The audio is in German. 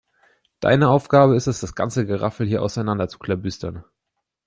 Deine Aufgabe ist es, das ganze Geraffel hier auseinander zu klabüstern.